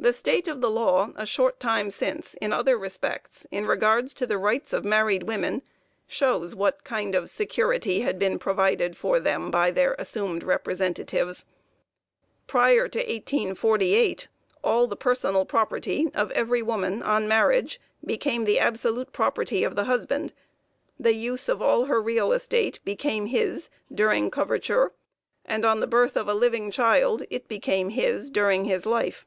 The state of the law a short time since, in other respects, in regard to the rights of married women, shows what kind of security had been provided for them by their assumed representatives. Prior to 1848, all the personal property of every woman on marriage became the absolute property of the husband the use of all her real estate became his during coverture, and on the birth of a living child, it became his during his life.